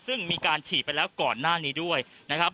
ซึ่งมีการฉีดไปแล้วก่อนหน้านี้ด้วยนะครับ